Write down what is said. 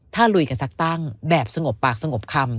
ถ้าลุยกันสักตั้งแบบสงบปากสงบคำ